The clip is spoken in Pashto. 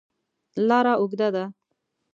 لاره اوږده ده.